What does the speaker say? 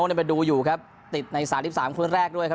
เนี่ยไปดูอยู่ครับติดในสามสิบสามคนแรกด้วยครับ